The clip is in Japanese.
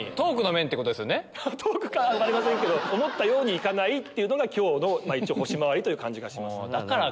トークかは分かりませんけど思ったように行かないのが今日の星回りという感じがします。